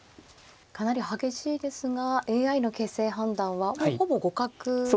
かなり激しいですがＡＩの形勢判断はほぼ互角ですね。